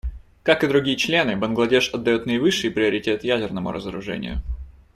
Как и другие члены, Бангладеш отдает наивысший приоритет ядерному разоружению.